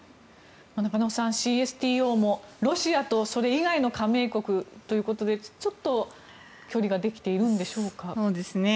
中野さん、ＣＳＴＯもロシアとそれ以外の加盟国ということでちょっと距離ができているんでしょうか。